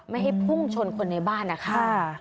ไม่ให้พุ่งชนคนในบ้านนะคะ